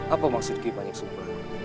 apa maksud ki banyak sembah